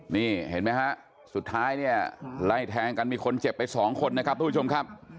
นี่เห็นไหมฮะสุดท้ายเนี่ยไล่แทงกันมีคนเจ็บไปสองคนนะครับทุกผู้ชมครับ